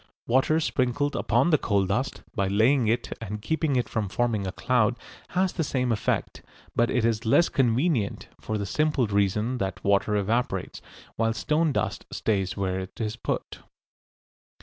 Water sprinkled upon the coal dust, by laying it and keeping it from forming a cloud, has the same effect, but it is less convenient, for the simple reason that water evaporates, while stone dust stays where it is put.